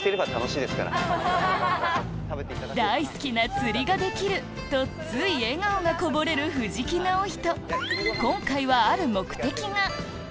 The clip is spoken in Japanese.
大好きな釣りができる！とつい笑顔がこぼれる藤木直人